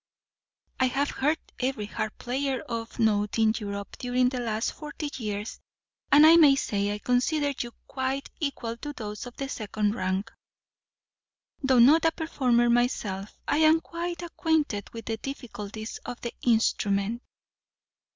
I have heard every harp player of note in Europe during the last forty years, and I may say I consider you quite equal to those of the second rank. Though not a performer myself, I am quite acquainted with the difficulties of the instrument."